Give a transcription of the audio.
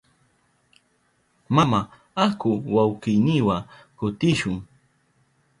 Mama, aku wawkiyniwa kutishun.